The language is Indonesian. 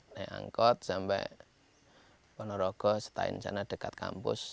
naik angkot sampai ponorogo setahun setahun dekat kampus